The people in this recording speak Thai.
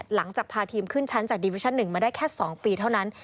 หลังจากพาทีมขึ้นชั้นจากดีวิชั่น๑มาได้แค่๒ปีเท่านั้น